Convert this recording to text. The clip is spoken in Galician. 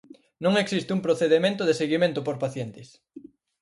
Non existe un procedemento de seguimento por pacientes.